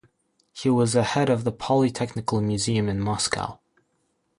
He was a head of the Poly-Technical Museum in Moscow.